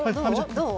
どう？